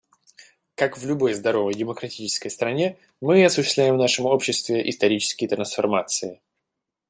Как в любой здоровой демократической стране, мы осуществляем в нашем обществе исторические трансформации.